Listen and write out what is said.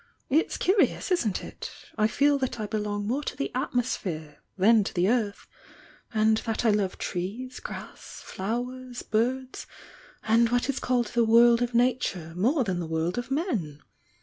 It's curious, isn't it? I feel that I belong more to the atmosphere than to the earth, and that I love trees, grass, flowers, birds and what is called the world of Nature more than the world of men.